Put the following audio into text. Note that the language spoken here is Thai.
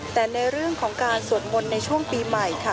แต่ในเรื่องของการสวดมนต์ในช่วงปีใหม่ค่ะ